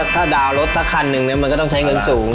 ถ้าดาวน์รถสักคันนึงมันก็ต้องใช้เงินสูง